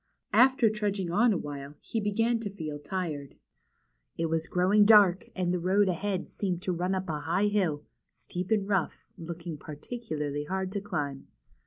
After trudging on a while he began to feel tired. It W'as growing dark, and the road ahead seemed to run up a high hill, steep and rough, looking particularly hard to climb.